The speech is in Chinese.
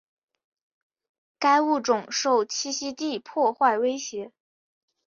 该物种受栖息地破坏威胁。